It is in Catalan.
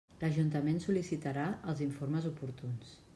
L'ajuntament sol·licitarà els informes oportuns.